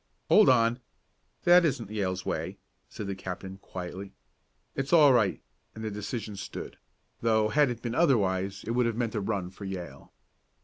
"Hold on! That isn't Yale's way," said the captain quietly. "It's all right," and the decision stood, though had it been otherwise it would have meant a run for Yale.